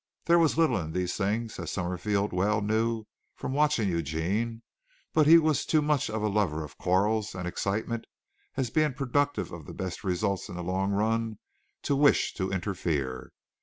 There was little in these things, as Summerfield well knew from watching Eugene, but he was too much a lover of quarrels and excitement as being productive of the best results in the long run to wish to interfere.